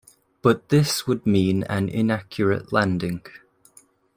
But this would mean an inaccurate landing.